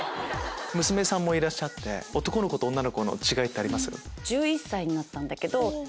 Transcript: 娘さんもいらっしゃって男の子と女の子の違いあります？